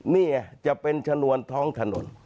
นี่จะเป็นชนวนท้องถนน